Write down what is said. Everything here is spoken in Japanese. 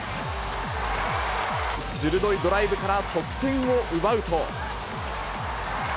鋭いドライブから得点を奪うと。